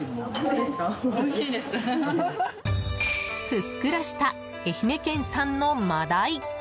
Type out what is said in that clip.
ふっくらした愛媛県産の真鯛！